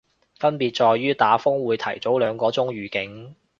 分別在於打風會提早兩個鐘預警